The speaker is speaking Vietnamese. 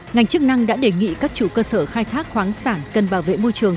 ngành chức năng đã đề nghị các chủ cơ sở khai thác khoáng sản cần bảo vệ môi trường